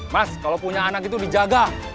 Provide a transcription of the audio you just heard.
mas kalau punya anak itu dijaga